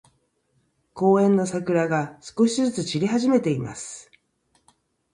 公園の桜が、少しずつ散り始めています。